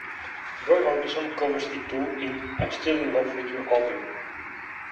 Roy Orbison covers it too in "I'm Still in Love with You" album.